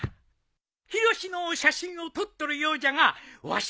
ヒロシの写真を撮っとるようじゃがわし